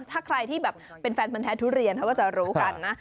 ถ้าใครที่แบบเป็นแฟนพันแท้ทุเรียนเขาก็จะรู้กันนะ